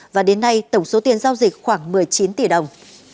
và đến nay tổng số tiền giao dịch khoảng một mươi chín tỷ đồng